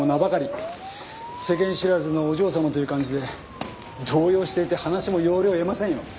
世間知らずのお嬢様という感じで動揺していて話も要領を得ませんよ。